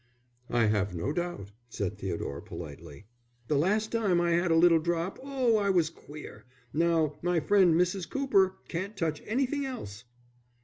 "I have no doubt," said Theodore, politely. "The last time I 'ad a little drop oh, I was queer. Now, my friend, Mrs. Cooper, can't touch anything else."